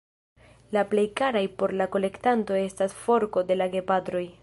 La plej karaj por la kolektanto estas forko de la gepatroj.